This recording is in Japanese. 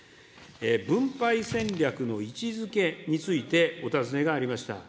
分配戦略の位置づけについてお尋ねがありました。